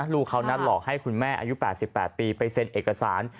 ลูกเขานัดหลอกให้คุณแม่อายุ๘๘ปีไปเซ็นเอกสาร